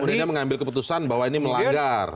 kemudian mengambil keputusan bahwa ini melanggar